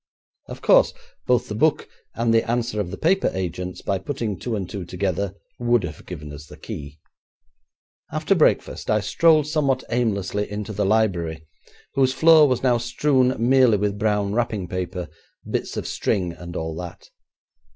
Of course, both the book and the answer of the paper agents, by putting two and two together, would have given us the key. After breakfast, I strolled somewhat aimlessly into the library, whose floor was now strewn merely with brown wrapping paper, bits of string, and all that.